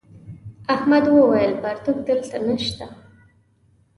احمد وويل: پرتوگ دلته نشته.